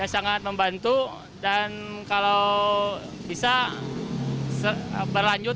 sangat membantu dan kalau bisa berlanjut